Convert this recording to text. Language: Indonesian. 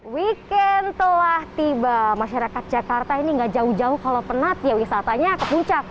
weekend telah tiba masyarakat jakarta ini gak jauh jauh kalau penat ya wisatanya ke puncak